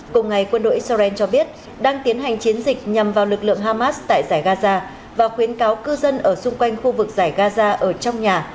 cùng ngày quân đội israel cho biết đang tiến hành chiến dịch nhằm vào lực lượng hamas tại giải gaza và khuyến cáo cư dân ở xung quanh khu vực giải gaza ở trong nhà